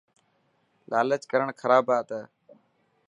لالچ ڪرڻ خراب بات هي.